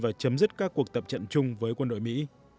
và chấm dứt các cuộc tập trận chung với quân đội mỹ